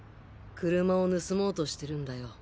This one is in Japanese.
車を盗もうとしてるんだよ。